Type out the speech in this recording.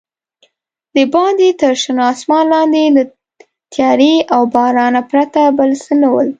دباندې تر شنه اسمان لاندې له تیارې او بارانه پرته بل څه نه ول.